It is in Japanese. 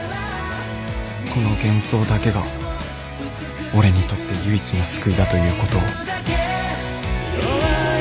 この幻想だけが俺にとって唯一の救いだということを